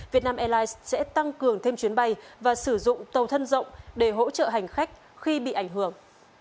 việt nam airlines sẽ tăng cường thêm chuyến bay và sử dụng tàu thân rộng để hỗ trợ hành khách khi bị ảnh hưởng